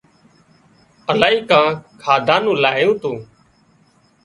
الاهي ڪانئين کاڌا نُون لايُون تُون